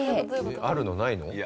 あるの？ないの？ない？